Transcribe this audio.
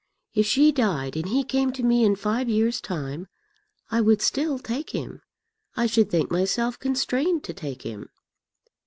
If she died, and he came to me in five years' time, I would still take him. I should think myself constrained to take him."